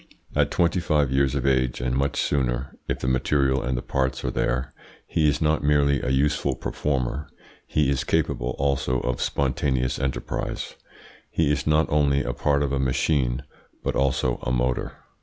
At twenty five years of age, and much sooner if the material and the parts are there, he is not merely a useful performer, he is capable also of spontaneous enterprise; he is not only a part of a machine, but also a motor.